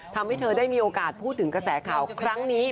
ทำให้เธอได้มีโอกาสพูดถึงกระแสข่าวครั้งนี้